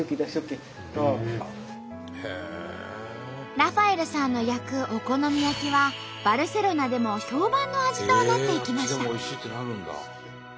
ラファエルさんの焼くお好み焼きはバルセロナでも評判の味となっていきました。